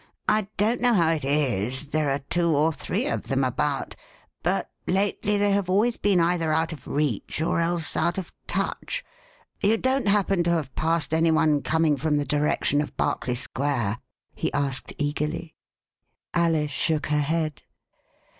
I don't know how it is, there are two or three of them about, but lately they have always been either out of reach or else out of touch. You don't happen to have passed any one coming from the direction of Berkeley Square ?" he asked eagerly. Alice shook her head.